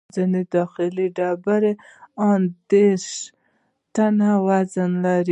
ځینې داخلي ډبرې یې ان دېرش ټنه وزن لري.